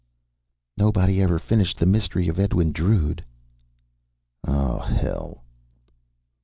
"Nobody ever finished The Mystery of Edwin Drood." "Oh, hell."